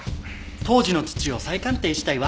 「当時の土を再鑑定したいわ！」